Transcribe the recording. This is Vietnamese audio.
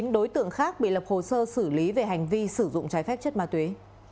một mươi chín đối tượng khác bị lập hồ sơ xử lý về hành vi sử dụng trái phép chất ma tuế